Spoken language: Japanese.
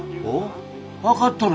おっ？